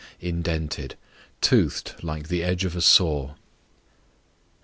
Indented, toothed like the edge of a saw.